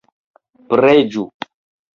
Preĝu!